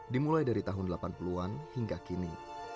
dimulai dari tahun delapan puluh an hingga kini